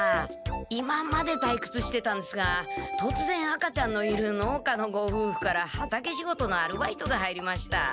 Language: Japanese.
今までたいくつしてたんですがとつぜん赤ちゃんのいる農家のごふうふから畑仕事のアルバイトが入りました。